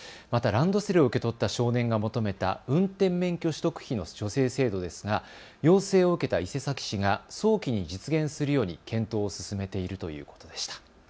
またランドセルを受け取った少年が求めた運転免許取得費の助成制度ですが要請を受けた伊勢崎市が早期に実現するように検討を進めているということでした。